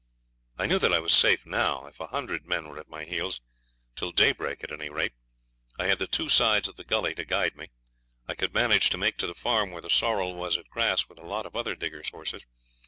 I knew that I was safe now, if a hundred men were at my heels, till daybreak at any rate. I had the two sides of the gully to guide me. I could manage to make to the farm where the sorrel was at grass with a lot of other diggers' horses.